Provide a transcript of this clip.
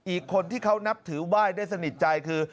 อีกคนที่เขานับถือไหว้ได้สนิทใจคือ